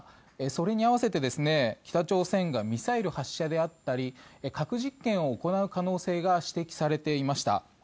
それに合わせて北朝鮮がミサイル発射であったり核実験を行う可能性が指摘されていました。